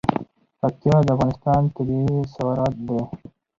پکتیا د افغانستان طبعي ثروت دی.